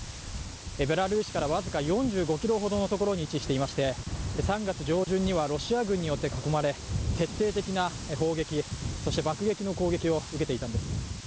ベラルーシから僅か４５ｋｍほどのところに位置していまして３月上旬にはロシア軍によって囲まれ徹底的な攻撃、そして爆撃の攻撃を受けていたんです。